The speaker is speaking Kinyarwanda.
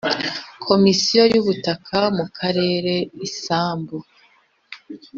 Komisiyo y ubutaka mu karere isambu